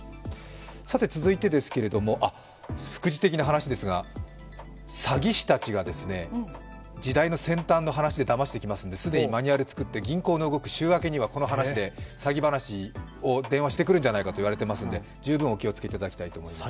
さて、続いてですけれども、副次的な話ですが、詐欺師たちが時代の先端の話でだましてきますんで、既にマニュアル作って、銀行の動く週明けにはこの話で詐欺話を電話してくるんじゃないかといわれていますので、十分お気をつけいただきたいと思います。